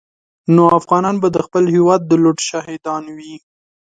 نو افغانان به د خپل هېواد د لوټ شاهدان وي.